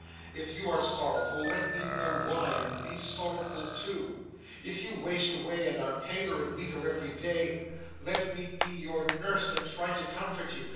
'If you are sorrowful, let me know why and be sorrowful too; if you waste away and are paler and weaker every day, let me be your nurse and try to comfort you.